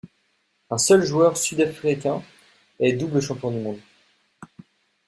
Un seul joueur sud-africain est double champion du monde.